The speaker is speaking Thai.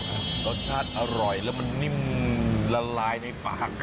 รสชาติอร่อยแล้วมันนิ่มละลายในปาก